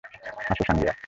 আসো, সাঙ্গেয়া।